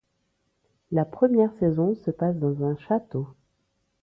La première saison se passe dans un château.